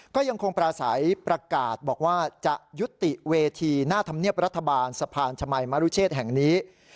ก็ยังคงปราศัยประกาศบอกว่าจะยุติเวทีหน้าธรรมเนียบรัฐบาลสะพานชมัยมรุเชษแห่งนี้